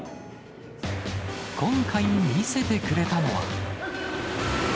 今回、見せてくれたのは。